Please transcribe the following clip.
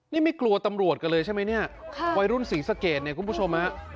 นี่ไม่กลัวตำรวจกันเลยใช่ไหมเนี่ยวัยรุ่นศรีสะเกดเนี่ยคุณผู้ชมฮะ